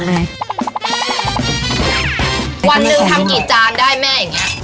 วันหนึ่งทำกี่จานได้แม่อย่างนี้